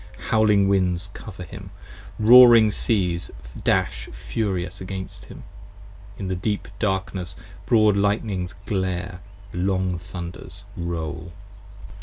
Howling winds cover him: roaring seas dash furious against him: In the deep darkness broad lightnings glare, long thunders roll.